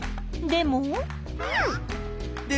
でも？